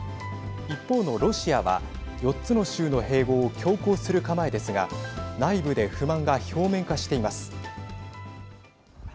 一方のロシアは、４つの州の併合を強行する構えですが内部で不満が表面化しています。